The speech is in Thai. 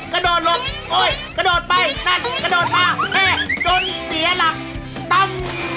กระโดดหลบโอ๊ยกระโดดไปนั่นกระโดดมาจนเสียหลักตั้ม